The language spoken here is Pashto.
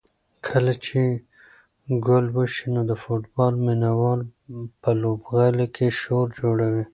کله چې ګول وشي نو د فوټبال مینه وال په لوبغالي کې شور جوړوي.